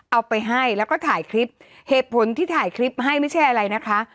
เอาไปให้แล้วก็ถ่ายคลิปเหตุผลที่ถ่ายคลิปให้ไม่ใช่อะไรนะคะ